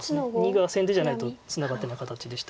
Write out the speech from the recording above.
②が先手じゃないとツナがってない形でしたけど。